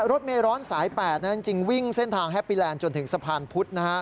รถเมร้อนสาย๘จริงวิ่งเส้นทางแฮปปี้แลนด์จนถึงสะพานพุธนะฮะ